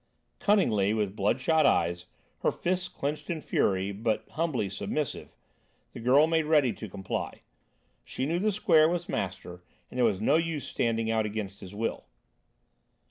Cunningly, with bloodshot eyes, her fists clenched in fury, but humbly submissive, the girl made ready to comply. She knew the Square was master, and there was no use standing out against his will.